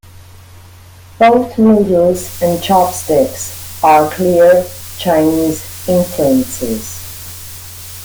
Both noodles and chopsticks are clear Chinese influences.